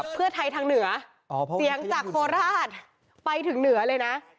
เพื่อไทยทางเหนือเสียงจากโคราชไปถึงเหนือเลยนะ